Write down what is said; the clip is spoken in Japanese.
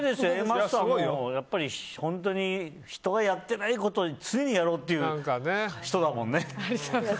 Ａマッソは本当に人がやってないことを常にやろうっていう人だもんね。